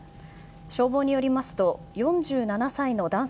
消防によりますと４７歳の男性